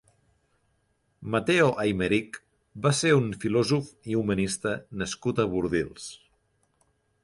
Mateo Aimerich va ser un filòsof i humanista nascut a Bordils.